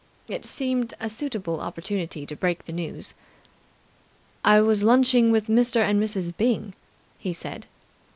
It seemed a suitable opportunity to break the news. "I was lunching with Mr. and Mrs. Byng," he said.